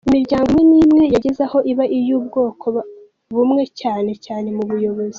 Imiryango imwe n’imwe yageze aho iba iy’ubwoko bumwe cyane cyane mu buyobozi.